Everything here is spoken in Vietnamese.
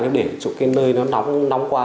nếu để chỗ cái nơi nó nóng quá